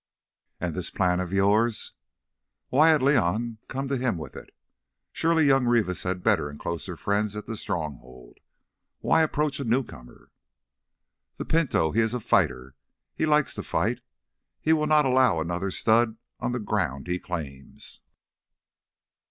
"And this plan of yours?" Why had León come to him with it? Surely young Rivas had better and closer friends at the Stronghold. Why approach a newcomer? "That pinto—he is a fighter; he likes to fight. He will not allow another stud on the ground he claims."